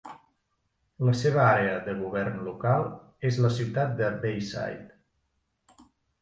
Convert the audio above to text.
La seva àrea de govern local és la ciutat de Bayside.